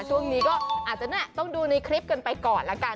ช่วงนี้ก็อาจจะต้องดูในคลิปกันไปก่อนละกัน